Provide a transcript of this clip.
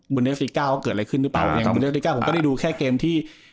วุฒิเก้าเกิดอะไรขึ้นหรือเปล่าอ่าวุฒิเก้าผมก็ได้ดูแค่เกมที่